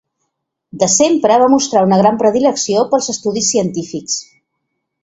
De sempre va mostrar una gran predilecció pels estudis científics.